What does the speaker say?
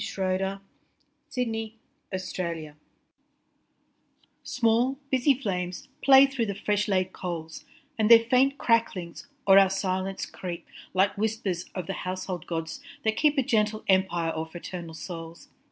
John Keats To My Brothers SMALL, busy flames play through the fresh laid coals, And their faint cracklings o'er our silence creep Like whispers of the household gods that keep A gentle empire o'er fraternal souls.